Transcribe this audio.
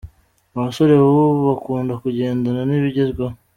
Abasore bubu kakunda kugendana n’ibigezweho.